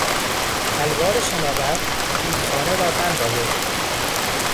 الوار شناور، رودخانه را بند آورده بود.